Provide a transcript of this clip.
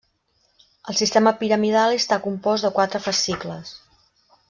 El sistema piramidal està compost de quatre fascicles.